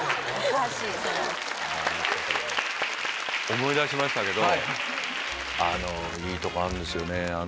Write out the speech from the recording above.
思い出しましたけどいいとこあるんですよね。